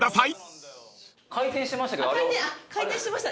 あっ回転しました。